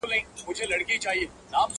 پر اوږو یې ټکاوه ورته ګویا سو٫